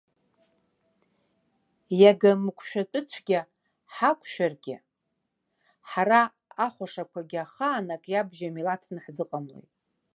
Иага мықәшәатәы цәгьа ҳақәшәаргьы, ҳара ахәашақәагьы, ахаан ак иабжьо милаҭны ҳзыҟамлеит.